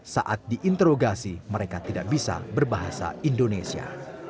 saat diinterogasi mereka tidak bisa berbahasa indonesia